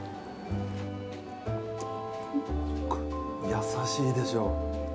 優しいでしょ。